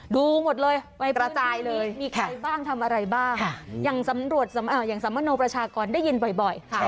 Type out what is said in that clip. ดูหมดเลยไปกระจายเลยมีใครบ้างทำอะไรบ้างอย่างสมโนประชากรได้ยินบ่อย